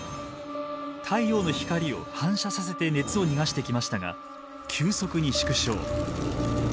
太陽の光を反射させて熱を逃がしてきましたが急速に縮小。